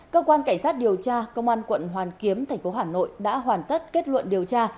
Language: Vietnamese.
cơ quan cảnh sát điều tra công an quận hoàn kiếm thành phố hà nội đã hoàn tất kết luận điều tra